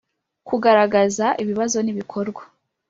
Kugaragaza ibibazo n ibikorwa